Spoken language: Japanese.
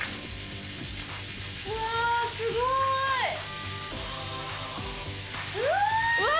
うわすごい！うわ！